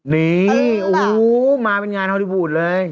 นี่โอ้โหมาเป็นงานฮอลลี่วูดเลย